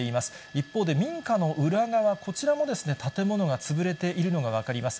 一方で民家の裏側、こちらも建物が潰れているのが分かります。